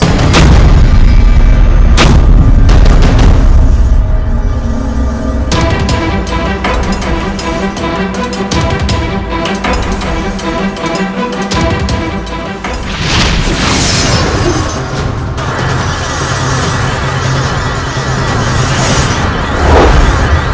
kau terkurung dalam rantai